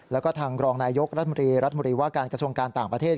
แล้วก็ทางรองนายยกรัฐมนตรีรัฐมนตรีว่าการกระทรวงการต่างประเทศ